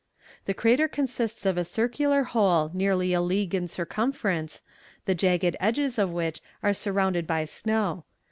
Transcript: The crater consists of a circular hole nearly a league in circumference, the jagged edges of which are surrounded by snow.